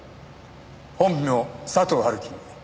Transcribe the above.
本名佐藤春樹。